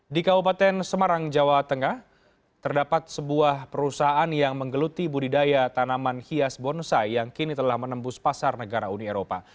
di kabupaten semarang jawa tengah terdapat sebuah perusahaan yang menggeluti budidaya tanaman hias bonsai yang kini telah menembus pasar negara uni eropa